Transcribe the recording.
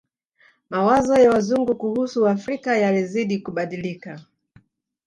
Mawazo ya Wazungu kuhusu Waafrika yalizidi kubadilika